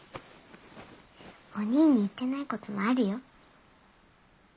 おにぃに言ってないこともあるよ。